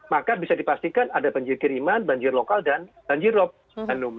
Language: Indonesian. maka bisa dipastikan ada banjir kiriman banjir lokal dan banjirop hanum